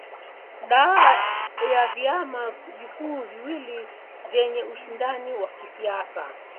da ya viama vikuu viwili vyeye ushindani wa kisiasa